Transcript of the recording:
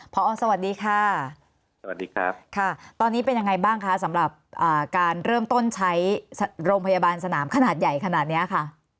พอสวัสดีค่ะสวัสดีครับค่ะตอนนี้เป็นยังไงบ้างคะสำหรับการเริ่มต้นใช้โรงพยาบาลสนามขนาดใหญ่ขนาดนี้ค่ะ